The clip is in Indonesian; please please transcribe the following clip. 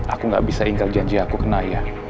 aku gak bisa ingat janji aku ke naya